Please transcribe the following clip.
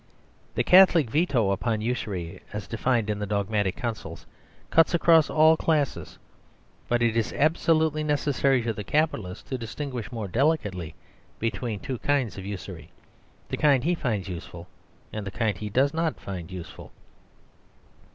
The Catholic veto upon usury, as defined in dogmatic councils, cuts across all classes. But it is absolutely necessary to the capitalist to distinguish more delicately between two kinds of usury; the kind he finds useful and the kind he does not find useful.